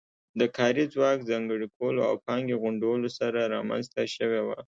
د کاري ځواک ځانګړي کولو او پانګې غونډولو سره رامنځته شوې وه